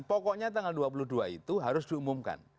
pokoknya tanggal dua puluh dua itu harus diumumkan